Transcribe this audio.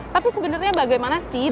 tapi sebenarnya bagaimana sih